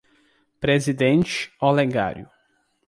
Presidente Olegário